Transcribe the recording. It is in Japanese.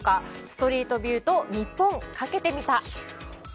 ストリートビューと日本かけてみた。